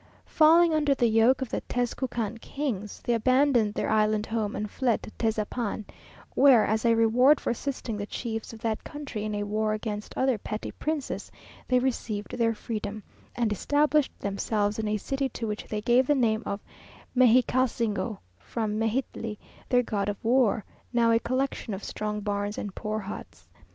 Falling under the yoke of the Tezcucan kings, they abandoned their island home and fled to Tezapan, where, as a reward for assisting the chiefs of that country in a war against other petty princes, they received their freedom, and established themselves in a city to which they gave the name of Mexicalsingo, from Mejitli, their god of war now a collection of strong barns and poor huts.